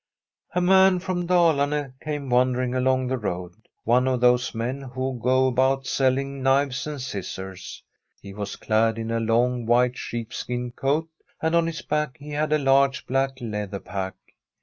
A man from Dalarne came wandering along the road — one of those men who go about sell ing knives and scissors. He was clad in a long, white sheep skin coat, and on his back he had a large black leather pack.